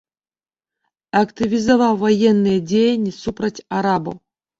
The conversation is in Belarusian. Актывізаваў ваенныя дзеянні супраць арабаў.